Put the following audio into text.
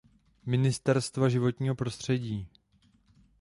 Ministerstva životního prostředí.